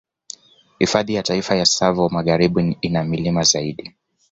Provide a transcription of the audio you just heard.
Hifadhi ya Taifa ya Tsavo Magharibi ina milima zaidi